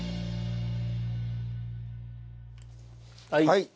はい。